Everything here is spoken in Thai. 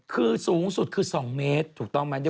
คือสูงสุดคือ๒เมตรถูกต้องไหม